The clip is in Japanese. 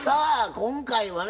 今回はね